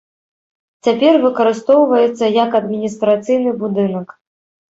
Цяпер выкарыстоўваецца як адміністрацыйны будынак.